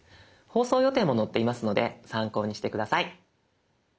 放送予定も載っていますので参考にして下さい。